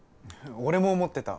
俺も思ってた。